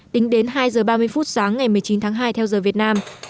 đính đến hai giờ ba mươi phút sáng ngày một mươi chín tháng hai theo giờ việt nam